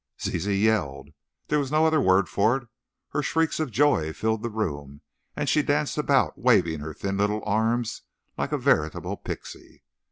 Zizi yelled. There is no other word for it. Her shrieks of joy filled the room, and she danced about waving her thin little arms like a veritable pixy.